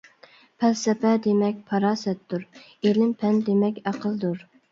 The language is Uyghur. پەلسەپە دېمەك پاراسەتتۇر، ئېلىم-پەن دېمەك ئەقىلدۇر.